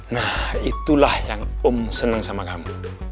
nah itulah yang om senang sama kamu